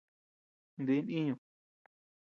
Dín iyúd.